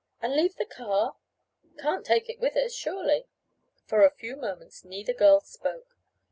"And leave the car?" "Can't take it with us, surely." For a few moments neither girl spoke.